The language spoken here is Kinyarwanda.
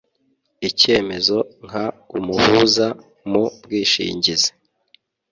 icyemezo nk umuhuza mu bwishingizi